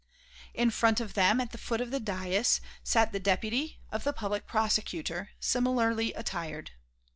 In front of them at the foot of the daïs, sat the deputy of the Public Prosecutor, similarly attired.